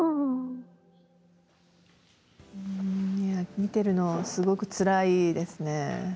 見ているのがすごくつらいですね。